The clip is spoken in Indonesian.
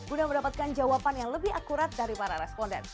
guna mendapatkan jawaban yang lebih akurat dari para responden